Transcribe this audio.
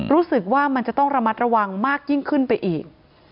รู้สึกว่ามันจะต้องระมัดระวังมากยิ่งขึ้นไปอีก